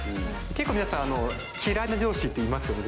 結構皆さん嫌いな上司っていますよね